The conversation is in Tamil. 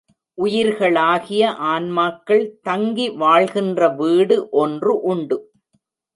உயிர்களாகிய ஆன்மாக்கள் தங்கி வாழ்கின்ற வீடு ஒன்று உண்டு.